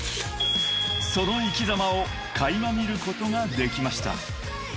［その生きざまを垣間見ることができました］